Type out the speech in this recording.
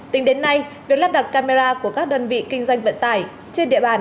tính đến nay việc lắp đặt camera của các đơn vị kinh doanh vận tải trên địa bàn